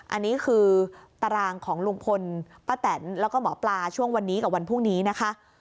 อันนี้คือตารางของลุงพลป้าแตนแล้วก็หมอปลาช่วงวันนี้กับวันพรุ่งนี้นะคะ